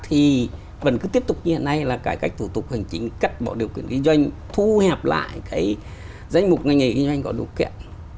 thì vẫn cứ tiếp tục như hiện nay là cải cách thủ tục hành chính cắt bỏ điều kiện kinh doanh thu hẹp lại cái danh mục ngành nghề kinh doanh có đủ kiện